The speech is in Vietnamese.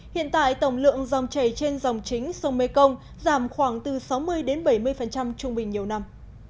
hiện tại tổng lượng dòng chảy trên dòng chính sông mekong giảm khoảng từ sáu mươi đến bảy mươi trung bình nhiều năm